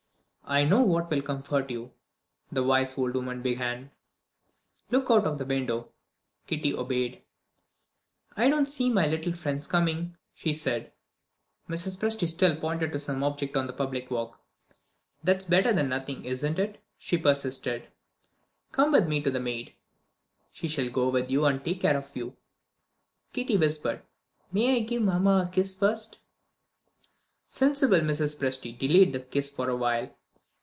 "I know what will comfort you," the wise old woman began; "look out of the window." Kitty obeyed. "I don't see my little friends coming," she said. Mrs. Presty still pointed to some object on the public walk. "That's better than nothing, isn't it?" she persisted. "Come with me to the maid; she shall go with you, and take care of you." Kitty whispered, "May I give mamma a kiss first?" Sensible Mrs. Presty delayed the kiss for a while.